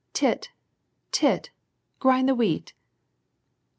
" Tit, Tit, grind the wheat."